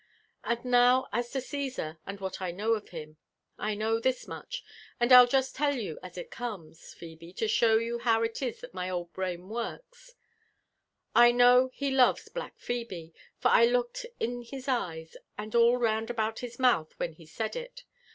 ^*And now as to Cssar, and what I know of him. I know (hia much — and Til juit tall you as it comes, Phebe, to show you how it i« ihat my old brain wcnrks. I know h» loves black Phebe, for I looked in his eyes and all round about his mouth when he said it.